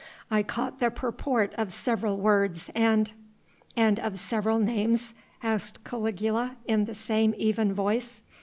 I caught the purport of several words, and " "And of several names?" asked Caligula in the same even voice.